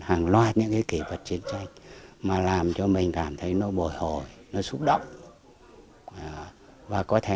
hàng loạt những cái kỷ vật chiến tranh mà làm cho mình cảm thấy nó bồi hồi nó xúc động và có thể